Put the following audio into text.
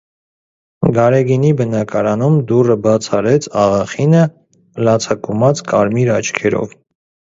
Գարեգինի բնակարանում դուռը բաց արեց աղախինը՝ լացակումած կարմիր աչքերով: